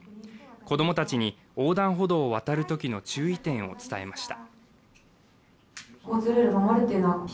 子供たちに横断歩道を渡るときの注意点を伝えました。